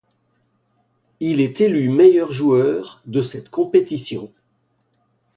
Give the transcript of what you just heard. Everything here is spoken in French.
Il est élu meilleur joueur de cette compétition.